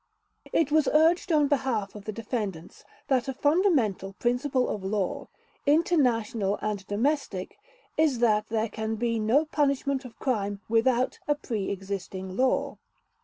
It was urged on behalf of the defendants that a fundamental principle of all law—international and domestic—is that there can be no punishment of crime without a pre existing law.